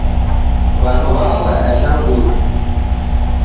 W'andu w'amu w'adajha nguw'i